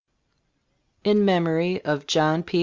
of "In memory of John P.